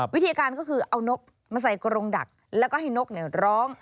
วิธีการก็คือเอานกมาใส่กรงดักแล้วก็ให้นกร้อง